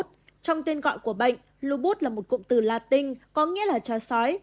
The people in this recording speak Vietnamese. trong tên gọi của bệnh lưu bút là một cụm từ latin có nghĩa là cho sói